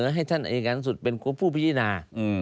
ให้ท่านอายการสุดเป็นผู้พิจารณา